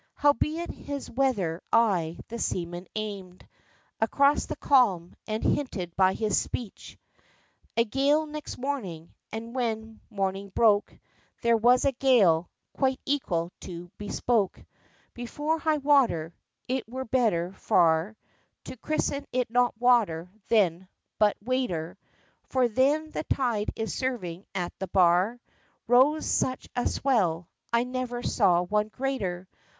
Howbeit his weather eye the seaman aimed Across the calm, and hinted by his speech A gale next morning and when morning broke, There was a gale "quite equal to bespoke." Before high water (it were better far To christen it not water then, but waiter, For then the tide is serving at the bar) Rose such a swell I never saw one greater!